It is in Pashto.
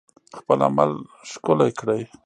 خپل عمل ښکلی کړئ